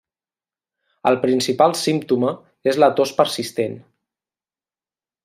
El principal símptoma és la tos persistent.